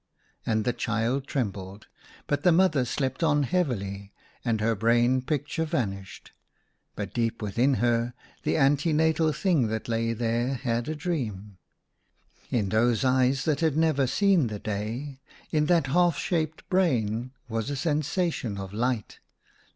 And the child trembled ; but the mother slept on heavily and her brain picture vanished. But deep within her the antenatal thing that lay here had a dream. In those eyes that had never seen the day, in that half shaped brain was a sensation of light!